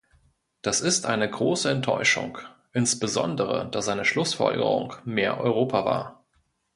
Das ist eine große Enttäuschung, insbesondere da seine Schlussfolgerung "mehr Europa" war.